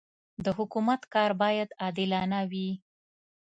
د حکومت کار باید عادلانه وي.